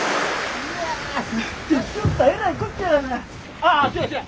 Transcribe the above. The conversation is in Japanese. ああそやそや。